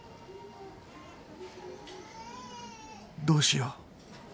どうしよう？